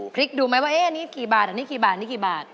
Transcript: พลิกดูไหมว่านี่กี่บาทนี่กี่บาทนี่กี่บาท